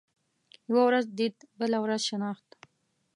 يوه ورځ ديد ، بله ورځ شناخت.